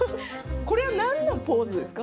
これは何のポーズですか。